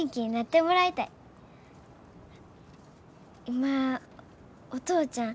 今お父ちゃん